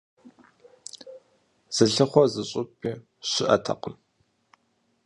Зылъыхъуэр зыщӀыпӀи щыӀэтэкъым.